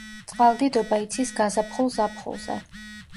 წყალდიდობა იცის გაზაფხულ-ზაფხულზე.